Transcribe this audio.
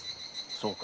そうか。